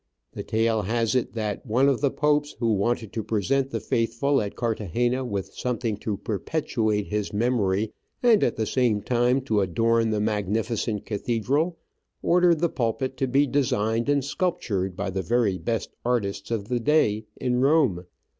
The tale has it that one of the Popes, who wanted to present the faithful at Carthagena with something to per petuate his memory, and at the same time to adorn the magnifi cent cathedral, ordered the pulpit to be de signed and sculptured by the very best artists of the day in Rome.